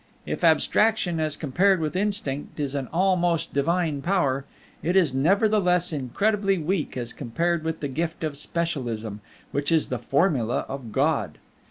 If Abstraction, as compared with Instinct, is an almost divine power, it is nevertheless incredibly weak as compared with the gift of Specialism, which is the formula of God.